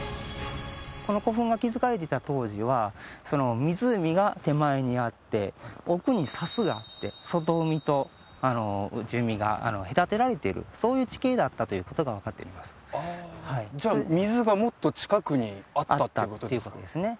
この古墳が築かれていた当時は湖が手前にあって奥に砂州があって外海と内海が隔てられているそういう地形だったということが分かっていますじゃあ水がもっと近くにあったっていうことですか？